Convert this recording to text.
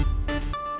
saya ingin menjelaskan